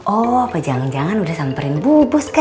oh apa jangan jangan udah samperin bubu sekali